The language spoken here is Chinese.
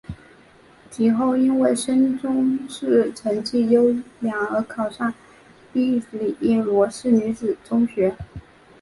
及后因为升中试成绩优良而考上庇理罗士女子中学。